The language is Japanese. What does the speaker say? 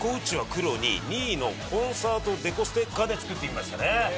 黒に２位のコンサートデコステッカーで作ってみましたね。